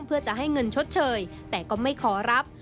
เพื่อจะให้เงินชดเชยแต่ก็ไม่ขอรับ